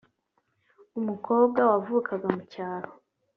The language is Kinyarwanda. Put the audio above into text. umukobwa wavukaga mu cyaro